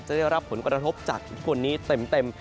จะได้รับผลกระทบจากผลนี้เต็ม